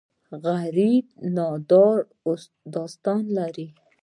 غریب د نادارۍ داستان لري